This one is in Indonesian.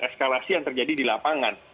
eskalasi yang terjadi di lapangan